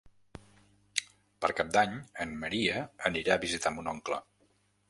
Per Cap d'Any en Maria anirà a visitar mon oncle.